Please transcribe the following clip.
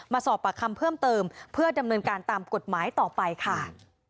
สอบปากคำเพิ่มเติมเพื่อดำเนินการตามกฎหมายต่อไปค่ะ